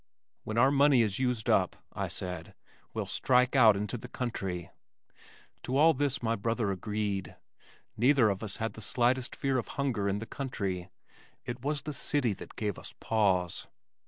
"When our money is used up," I said, "we'll strike out into the country." To all this my brother agreed. Neither of us had the slightest fear of hunger in the country. It was the city that gave us pause.